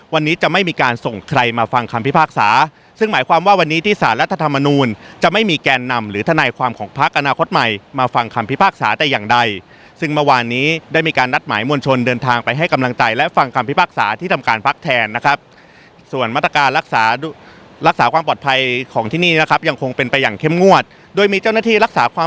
วันนี้จะไม่มีการส่งใครมาฟังคำพิพากศาซึ่งหมายความว่าวันนี้ที่สารรัฐธรรมนุนจะไม่มีแกนนำหรือทะนายความของพักอนาคตใหม่มาฟังคำพิพากศาแต่อย่างใดซึ่งเมื่อวานนี้ได้มีการนัดหมายมวลชนเดินทางไปให้กำลังใจและฟังคำพิพากศาที่ทำการพักแทนนะครับส่วนมาตรการรักษารัก